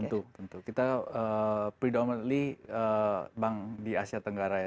oh ya tentu kita predominantly bank di asia tenggara ya